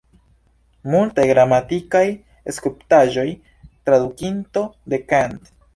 Multaj gramatikaj studaĵoj, tradukinto de Kant.